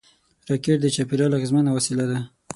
راکټ د چاپېریال اغېزمن وسیله ده